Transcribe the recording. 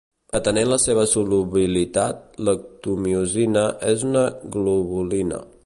Atenent la seva solubilitat, l'actomiosina és una globulina.